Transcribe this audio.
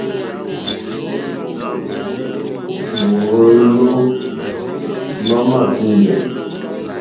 Mɔ́ɔ̌lɔ̀ má má kíŋɡɛ̀.